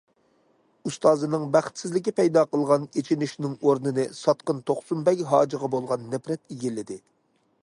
ئۇستازىنىڭ بەختسىزلىكى پەيدا قىلغان ئېچىنىشنىڭ ئورنىنى ساتقىن توقسۇن بەگ ھاجىغا بولغان نەپرەت ئىگىلىدى.